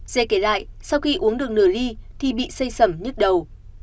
dê kể lại sau khi uống được nửa ly thì bị say sầm nhức đầu